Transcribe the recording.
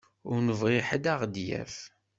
Ur nebɣi ḥedd ad ɣ-d-yaf.